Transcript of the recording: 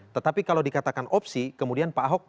tetapi kalau dikatakan opsi kemudian pak ahok